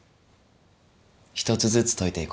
一つずつ解いていこう。